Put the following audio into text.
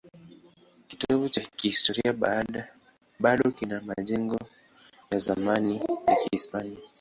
Kitovu cha kihistoria bado kina majengo ya zamani ya Kihispania.